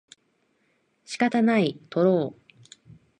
仕方ない、とろう